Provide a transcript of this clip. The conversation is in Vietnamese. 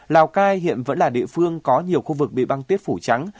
lào cai hiện vẫn là địa phương có nhiều khu vực bị băng tiết phủ trắng